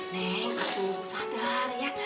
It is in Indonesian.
neng aku sadar ya